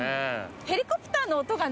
ヘリコプターの音がね